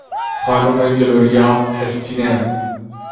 خانم گلوریا استینم